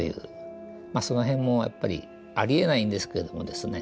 その辺もやっぱりありえないんですけどもですね